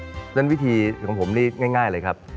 เพราะฉะนั้นวิธีของผมนี่ง่ายเลยครับ